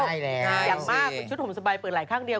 ใช่แล้วอย่างมากคุณชุดห่มสบายเปิดหลายข้างเดียว